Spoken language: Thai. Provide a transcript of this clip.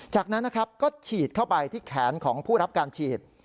จากนั้นนะครับก็ฉีดเข้าไปที่แขนของผู้รับการฉีด